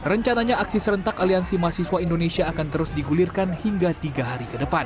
rencananya aksi serentak aliansi mahasiswa indonesia akan terus digulirkan hingga tiga hari ke depan